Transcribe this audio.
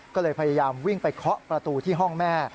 ก็เลยพยายามวิ่งไปเคาะประตูที่ห้องแม่